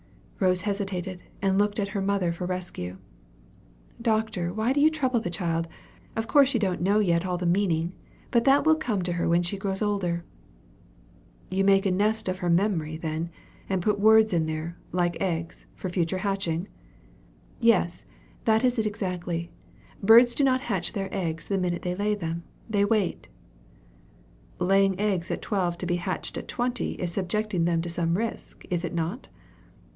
Rose hesitated, and looked at her mother for rescue. "Doctor, why do you trouble the child? Of course she don't know yet all the meaning. But that will come to her when she grows older." "You make a nest of her memory, then, and put words there, like eggs, for future hatching?" "Yes, that is it exactly: birds do not hatch their eggs the minute they lay them. They wait." "Laying eggs at twelve to be hatched at twenty is subjecting them to some risk, is it not?"